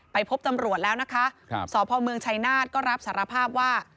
พบตำรวจแล้วนะคะสพเมืองชัยนาฏก็รับสารภาพว่า